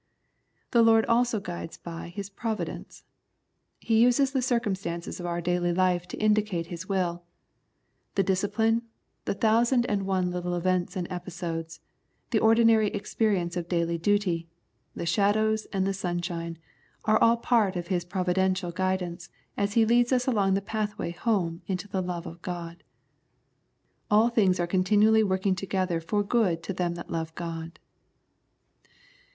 The Lord also guides hy His Providence, He uses the circumstances of our daily life to indicate His will. The discipline, the thousand and one little events and episodes, the ordinary experience of daily duty, the shadows and the sunshine, are all part of His providential guidance as He leads us along the pathway home into the love of God. All things are continually working together for good to them that love God.